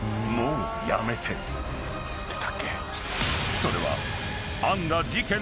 ［それは］